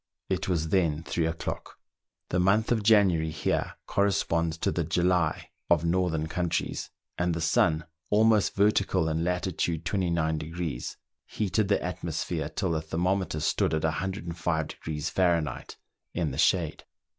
It was then three o'clock. The month of January here corresponds to the July of northern countries, and the sun, almost vertical in lat. 29°, heated the atmo sphere till the thermometer stood at 105° Fahrenheit in the shade.